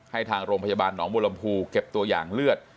ให้ทางโรงพยาบาลหนองบุรมภูเก็บตัวอย่างเลือด